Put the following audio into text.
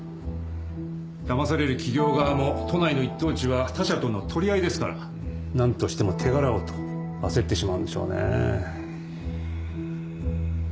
だまされる企業側も都内の一等地は他社との取り合いですからなんとしても手柄をと焦ってしまうんでしょうねえ。